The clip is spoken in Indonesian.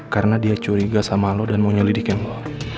karena dia curiga sama lo dan mau nyelidikin lo